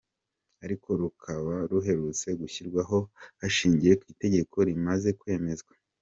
Ariko rukaba ruherutse gushyirwaho hashingiwe ku itegeko rimaze kwemezwa.